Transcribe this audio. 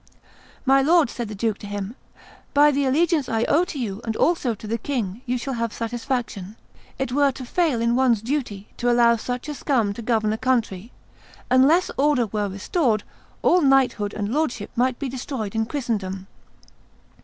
"My lord," said the duke to him, "by the allegiance I owe to you and also to the king you shall have satisfaction. It were to fail in one's duty to allow such a scum to govern a country. Unless order were restored, all knighthood and lordship might be destroyed in Christendom."